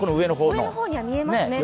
上の方には見えますね。